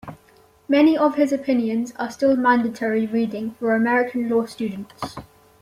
Many of his opinions are still mandatory reading for American law students.